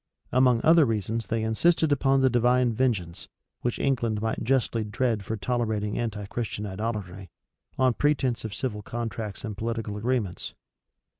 Among other reasons, they insisted upon the divine vengeance, which England might justly dread for tolerating anti Christian idolatry, on pretence of civil contracts and political agreements.